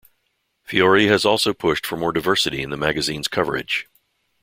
Fiori also has pushed for more diversity in the magazine's coverage.